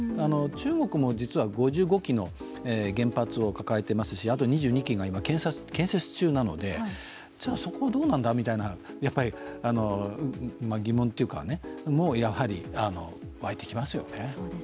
中国も実は５５基の原発を抱えていますし、あと２２基が建設中なので、じゃあ、そこはどうなんだという疑問とかは、やはりわいてきますよね。